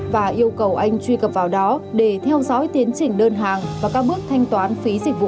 và yêu cầu anh truy cập vào đó để theo dõi tiến trình đơn hàng và các bước thanh toán phí dịch vụ